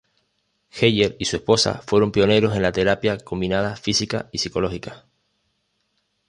Heyer y su esposa fueron pioneros en la terapia combinada física y psicológica.